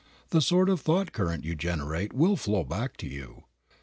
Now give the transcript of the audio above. The sort of thought current you generate will flow back to you.